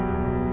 aku mau bantuin